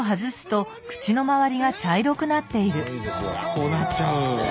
こうなっちゃう。